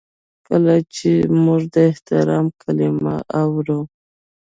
هر کله چې موږ د احترام کلمه اورو.